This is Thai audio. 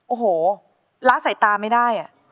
โอ้โหล้าใส่ตาไม่ได้